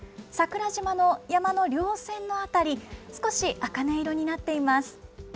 桜島の山の稜線の辺り、少しあかね色になっています。